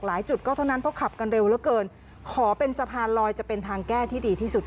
จุดก็เท่านั้นเพราะขับกันเร็วเหลือเกินขอเป็นสะพานลอยจะเป็นทางแก้ที่ดีที่สุด